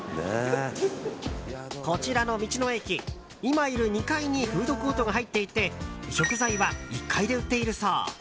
こちらの道の駅、今いる２階にフードコートが入っていて食材は１階で売っているそう。